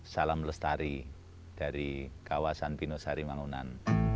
salam lestari dari kawasan pinosari mangunan